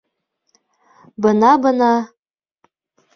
Бына-бына.